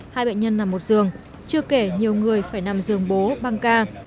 hai bệnh nhân nằm một giường chưa kể nhiều người phải nằm giường bố băng ca